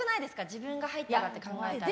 自分が入ったらって考えたら。